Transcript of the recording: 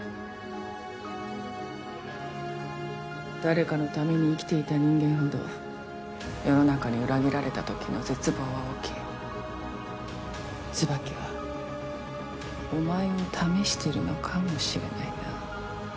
誰かのために生きていた人間ほど世の中に裏切られた時の絶望は大きい椿はお前を試しているのかもしれないな